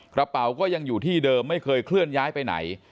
กระเป๋าก็ยังอยู่ที่เดิมไม่เคยเคลื่อนย้ายไปไหน